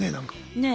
ねえ。